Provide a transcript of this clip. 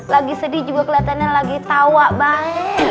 lagi sedih juga kelihatannya lagi tawa bang